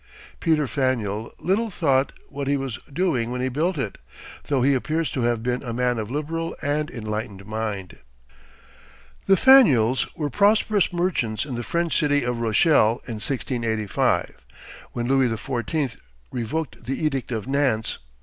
Peter Faneuil little thought what he was doing when he built it, though he appears to have been a man of liberal and enlightened mind. The Faneuils were prosperous merchants in the French city of Rochelle in 1685, when Louis XIV. revoked the Edict of Nantes.